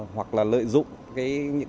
hoặc lợi dụng những